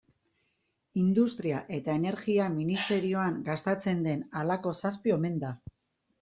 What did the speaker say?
Industria eta Energia ministerioan gastatzen den halako zazpi omen da.